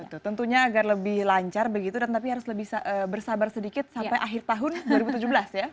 betul tentunya agar lebih lancar begitu dan tapi harus lebih bersabar sedikit sampai akhir tahun dua ribu tujuh belas ya